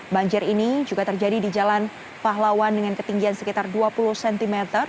banjir ini juga terjadi di jalan pahlawan dengan ketinggian sekitar dua puluh cm